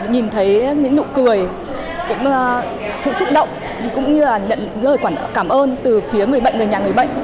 nhìn thấy những nụ cười cũng sự xúc động cũng như là lời cảm ơn từ phía người bệnh người nhà người bệnh